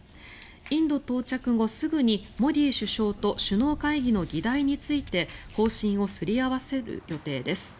インド到着後すぐにモディ首相と首脳会議の議題について方針をすり合わせる予定です。